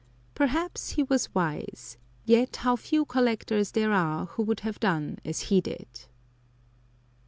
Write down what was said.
Perhaps he was wise; yet how few collectors there are who would have done as he did.